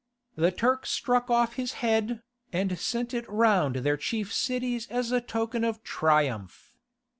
The Turk struck off his head, and sent it round their chief cities as a token of triumph.